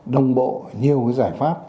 đồng bộ nhiều giải pháp